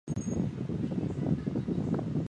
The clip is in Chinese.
复齿脂鲤科为辐鳍鱼纲脂鲤目的一个科。